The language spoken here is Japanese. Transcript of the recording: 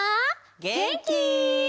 げんき？